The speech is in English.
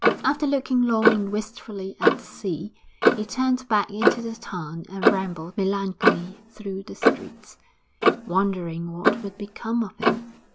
After looking long and wistfully at the sea, he turned back into the town and rambled melancholy through the streets, wondering what would become of him.